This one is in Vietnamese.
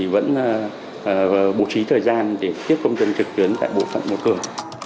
vẫn bố trí thời gian để tiếp công dân trực tuyến tại bộ phận một cửa